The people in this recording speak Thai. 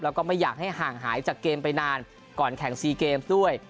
แล้วก็ไม่อยากให้ห่างหายจากเกมไปนานก่อนแข่งซีเกมด้วย